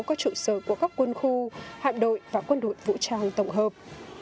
có trụ sở của các quân khu hạm đội và quân đội vũ trang tổng hợp